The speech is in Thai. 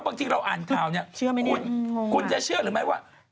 บางทีเราอ่านข่าวนี่